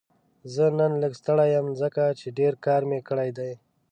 زه نن لږ ستړی یم ځکه چې ډېر کار مې کړی دی